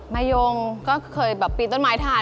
มายงก็เคยแบบปีนต้นไม้ถ่าย